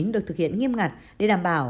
được thực hiện nghiêm ngặt để đảm bảo